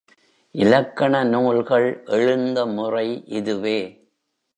இலக்கண நூல்கள் எழுந்த முறை இதுவே.